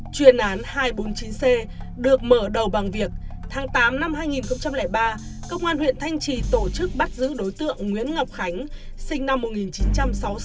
chuyên án hai trăm bốn mươi chín c được mở đầu bằng việc tháng tám năm hai nghìn ba công an huyện thanh trì tổ chức bắt giữ đối tượng nguyễn ngọc khánh sinh năm một nghìn chín trăm sáu mươi sáu